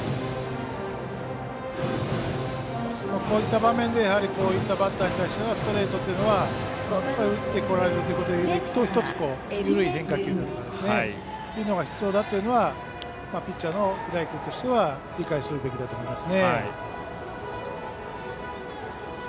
こういった場面でこういったバッターに対してのストレートというのは打ってこられるというと１つ緩い変化球だとかというのが必要だというのはピッチャーの平井君としては理解するべきだと思います。